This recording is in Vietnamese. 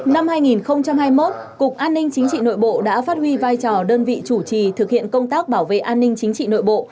năm hai nghìn hai mươi một cục an ninh chính trị nội bộ đã phát huy vai trò đơn vị chủ trì thực hiện công tác bảo vệ an ninh chính trị nội bộ